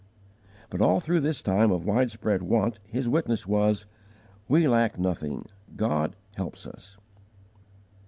But all through this time of widespread want his witness was, "We lack nothing: God helps us."